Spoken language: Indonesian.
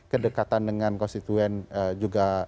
kedekatan dengan konstituen juga